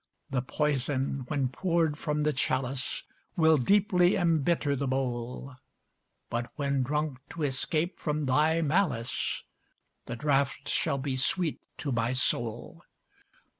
The poison, when poured from the chalice, Will deeply embitter the bowl; But when drunk to escape from thy malice, The draught shall be sweet to my soul.